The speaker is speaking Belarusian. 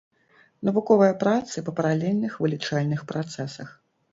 Навуковыя працы па паралельных вылічальных працэсах.